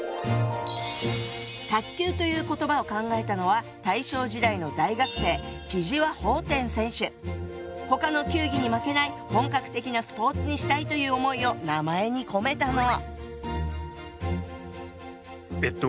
「卓球」という言葉を考えたのは大正時代の大学生他の球技に負けない本格的なスポーツにしたいという思いを名前に込めたの。